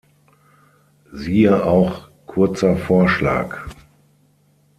Siehe auch Kurzer Vorschlag.